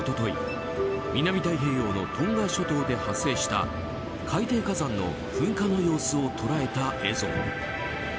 日南太平洋のトンガ諸島で発生した海底火山の噴火の様子を捉えた映像。